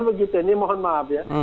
begitu ini mohon maaf ya